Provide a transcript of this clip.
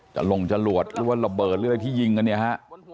จะลงจะหลวดหรือว่าระเบิดอะไรที่ยิงกันนี่ฮะ